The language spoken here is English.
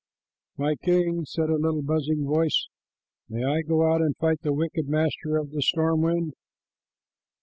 "My king," said a little buzzing voice, "may I go out and fight the wicked master of the storm wind?"